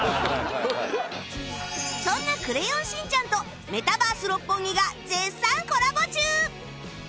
そんな『クレヨンしんちゃん』とメタバース六本木が絶賛コラボ中！